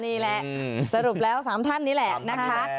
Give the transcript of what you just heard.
นี่แหละสรุปแล้ว๓ท่านนี่แหละนะคะ